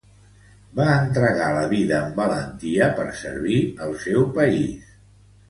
Va entregar la vida amb valentia per servir el seu país.